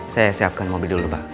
saya siapkan mobil dulu pak